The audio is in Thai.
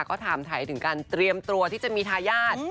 ก็ถามถ่ายถึงการเตรียมตัวที่จะมีทายาท